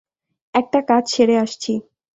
একটা কাজ সেরে আসছি।